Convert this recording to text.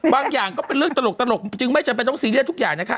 บางอย่างก็เป็นเรื่องตลกจึงไม่จำเป็นต้องซีเรียสทุกอย่างนะคะ